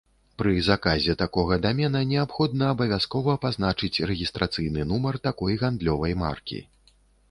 Пры заказе такога дамена неабходна абавязкова пазначыць рэгістрацыйны нумар такой гандлёвай маркі.